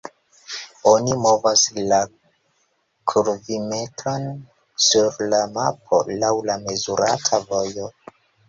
Oni movas la kurvimetron sur la mapo laŭ la mezurata vojo.